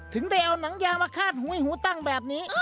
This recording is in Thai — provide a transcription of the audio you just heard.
ถึงได้เอาหนังยางมาคาดหูยหูตั้งแบบนี้